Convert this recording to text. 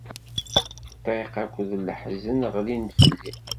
Ṭṭiq akked leḥzen ɣlin-d fell-i.